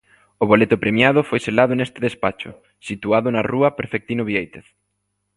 O boleto premiado foi selado neste despacho, situado na rúa Perfectino Viéitez.